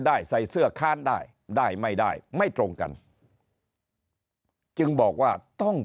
ใส่เสื้อค้านได้ได้ไม่ได้ไม่ตรงกันจึงบอกว่าต้อง